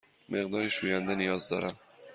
مقداری شوینده نیاز دارم.